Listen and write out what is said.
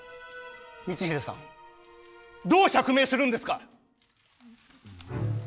光秀さんどう釈明するんですか！？